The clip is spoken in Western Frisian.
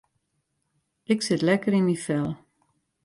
Ik sit lekker yn myn fel.